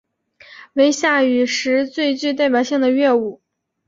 为夏禹时最具代表性的乐舞。